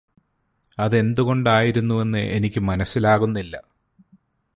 അതെന്തുകൊണ്ടായിരുന്നുവെന്ന് എനിക്ക് മനസ്സിലാകുന്നില്ല